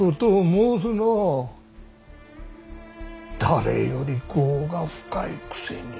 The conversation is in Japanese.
誰より業が深いくせに。